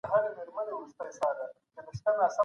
د پور خلاصول د انسان مسؤلیت دی.